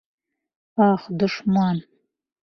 Ах, дошман!